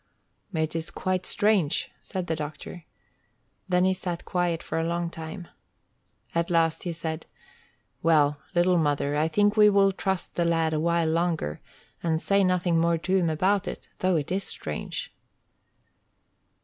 "It is quite strange," said the doctor. Then he sat quiet for a long time. At last he said, "Well, little mother, I think we will trust the lad awhile longer, and say nothing more to him about it; though it is strange!"